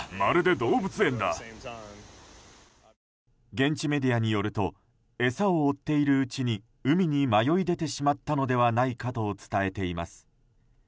現地メディアによると餌を追っているうちに海に迷い出てしまったのではないかと伝えています。